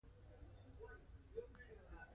کشف شوي هډوکي او غاښونه ستونزه نه لرله.